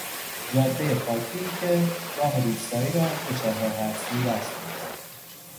جادهی خاکی که راه روستایی را به شاهراه اصلی وصل میکند